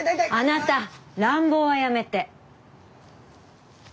あなた乱暴はやめて。